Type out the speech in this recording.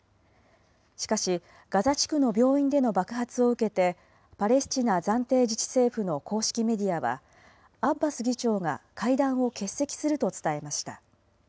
しかし、ガザ地区の病院での爆発を受けて、パレスチナ暫定自治政府の公式メディアは、アッバス議長が会談を欠席すると伝えました。